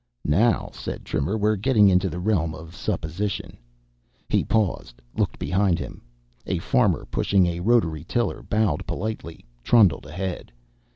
"Now," said Trimmer, "we're getting into the realm of supposition." He paused, looked behind him. A farmer pushing a rotary tiller, bowed politely, trundled ahead.